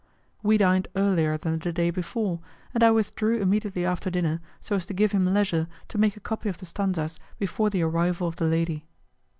We dined earlier than the day before, and I withdrew immediately after dinner so as to give him leisure to make a copy of the stanzas before the arrival of the lady.